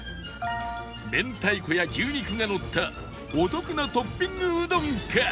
明太子や牛肉がのったお得なトッピングうどんか